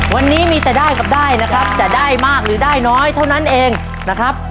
วันนี้มีแต่ได้กับได้นะครับจะได้มากหรือได้น้อยเท่านั้นเองนะครับ